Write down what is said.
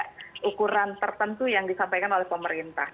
ini adalah ukuran tertentu yang disampaikan oleh pemerintah